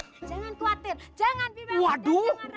eh eh jangan khawatir jangan bimbang dan jangan ragu